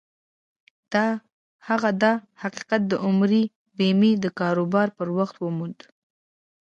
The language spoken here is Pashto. هغه دا حقيقت د عمري بيمې د کاروبار پر وخت وموند.